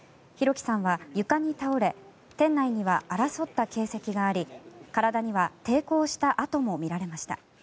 輝さんは床に倒れ店内には争った形跡があり体には抵抗した跡も見られました。